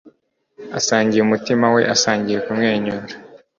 Asangiye umutima we asangira kumwenyura